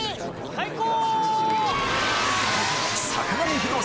開講！